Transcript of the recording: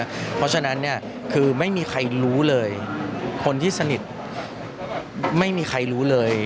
เพราะฉะนั้นเนี่ยคือไม่มีใครรู้เลยคนที่สนิทไม่มีใครรู้เลย